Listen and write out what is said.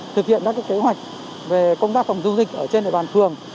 thực hiện các kế hoạch về công tác phòng chống dịch ở trên đài bàn phường